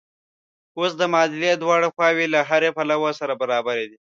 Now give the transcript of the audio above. اوس د معادلې دواړه خواوې له هره پلوه سره برابرې دي.